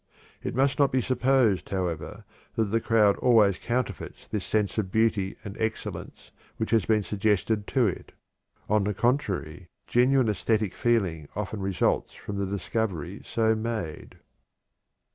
It must not be supposed, however, that the crowd always counterfeits this sense of beauty and excellence which has been suggested to it. On the contrary, genuine æsthetic feeling often results from the discovery so made.